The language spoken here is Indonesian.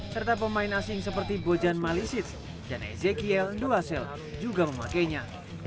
serta pemain asing seperti bojan malisit dan ezekiel duasel juga memakainya